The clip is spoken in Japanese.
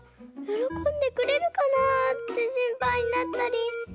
よろこんでくれるかなって心配になったり。